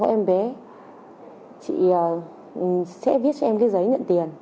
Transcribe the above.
em bé chị sẽ viết cho em cái giấy nhận tiền